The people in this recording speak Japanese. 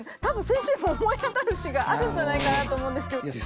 たぶん先生も思い当たる節があるんじゃないかなと思うんですけど。